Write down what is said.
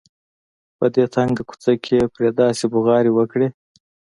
په دې تنګه کوڅه کې یې پرې داسې بغارې وکړې.